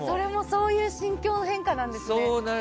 そういう心境変化なんですね。